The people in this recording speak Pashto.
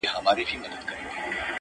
څومره له حباب سره ياري کوي،